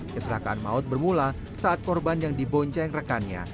kecelakaan maut bermula saat korban yang dibonceng rekannya